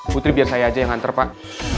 putri biar saya aja yang nganter pak